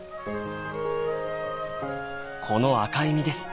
この赤い実です。